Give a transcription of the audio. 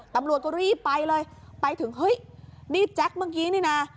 ตำรวจก็รีบไปเลยไปถึงเฮ้ยนี่แจ๊คเมื่อกี้นี่นะ